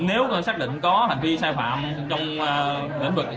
nếu xác định có hành vi sai phạm trong lĩnh vực